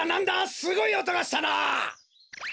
すごいおとがしたな。